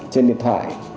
trên điện thoại